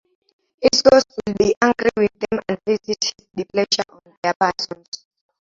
His ghost will be angry with them and visit his displeasure on their persons.